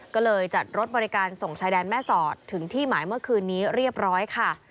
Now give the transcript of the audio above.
ก็เลยจัดรถบริการส่งชายแดนแม่สอดถึงที่หมายเมื่อคืนนี้เรียบร้อยค่ะ